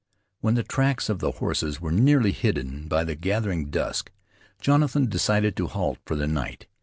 When the tracks of the horses were nearly hidden by the gathering dusk, Jonathan decided to halt for the night.